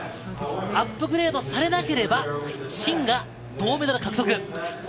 アップグレードされなければシンが銅メダルを獲得。